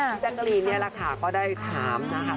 แจ๊กกะรีนนี่แหละค่ะก็ได้ถามนะคะ